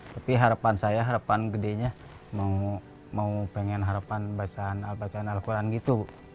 tapi harapan saya harapan gedenya mau pengen harapan bacaan bacaan al quran gitu